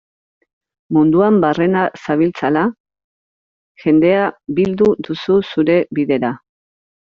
Munduan barrena zabiltzala, jendea bildu duzu zure bidera.